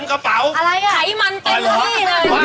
อะไรอ่ะการลงขายเงินทุนเต็มกระเป๋า